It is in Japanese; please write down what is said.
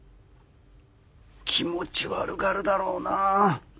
気持ち悪がるだろうな。